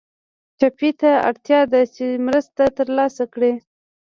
ټپي ته اړتیا ده چې مرسته تر لاسه کړي.